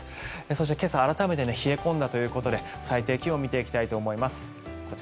そして、今朝改めて冷え込んだということで最低気温を見ていきたいと思います。